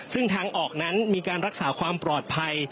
ซึ่งทางออกนั้นมีการรักษาความปลอดภัย